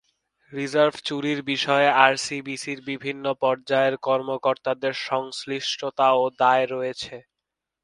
Reserve চুরির বিষয়ে আরসিবিসির বিভিন্ন পর্যায়ের কর্মকর্তাদের সংশ্লিষ্টতা ও দায় রয়েছে।